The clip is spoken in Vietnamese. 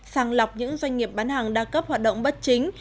sàng lọc những doanh nghiệp bán hàng đa cấp hoạt động bất chính